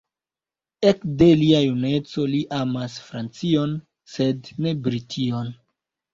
Ekde lia juneco li amas Francion sed ne Brition.